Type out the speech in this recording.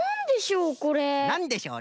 なんでしょう？